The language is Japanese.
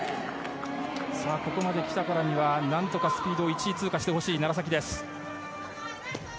ここまで来たからには何とかスピードを１位通過してほしい楢崎です。